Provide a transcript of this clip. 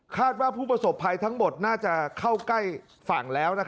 ว่าผู้ประสบภัยทั้งหมดน่าจะเข้าใกล้ฝั่งแล้ว